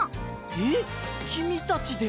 えっきみたちで？